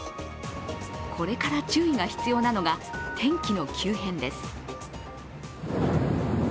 これから注意が必要なのが天気の急変です。